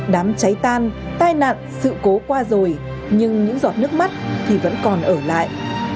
đám cháy tan tai nạn sự cố qua rồi nhưng những giọt nước mắt thì vẫn còn ở lại